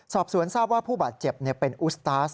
สอบสวนทราบว่าผู้บาดเจ็บเป็นอุสตาส